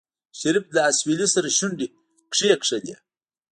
شريف له اسويلي سره شونډې کېکاږلې.